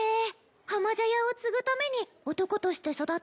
浜茶屋を継ぐために男として育ったの？